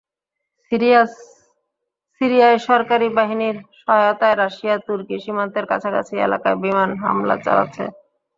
সিরিয়ায় সরকারি বাহিনীর সহায়তায় রাশিয়া তুর্কি সীমান্তের কাছাকাছি এলাকায় বিমান হামলা চালাচ্ছে।